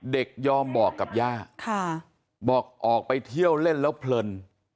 ยอมบอกกับย่าบอกออกไปเที่ยวเล่นแล้วเพลิน